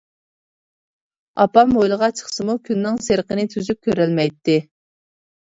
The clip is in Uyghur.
ئاپام ھويلىغا چىقسىمۇ، كۈننىڭ سېرىقىنى تۈزۈك كۆرەلمەيتتى.